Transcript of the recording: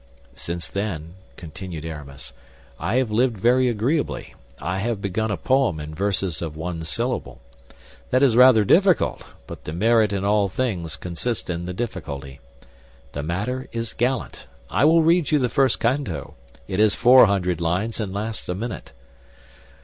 "Since then," continued Aramis, "I have lived very agreeably. I have begun a poem in verses of one syllable. That is rather difficult, but the merit in all things consists in the difficulty. The matter is gallant. I will read you the first canto. It has four hundred lines, and lasts a minute."